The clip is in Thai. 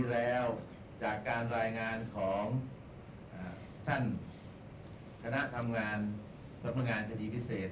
และคณะทำนานพิเศษ